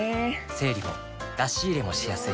整理も出し入れもしやすい